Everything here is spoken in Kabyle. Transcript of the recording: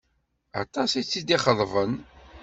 Aṭas i tt-id-ixeḍben.